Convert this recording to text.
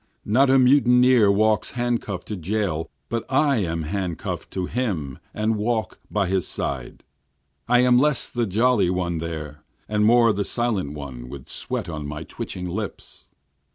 Not a mutineer walks handcuffâd to jail but I am handcuffâd to him and walk by his side, (I am less the jolly one there, and more the silent one with sweat on my twitching lips.)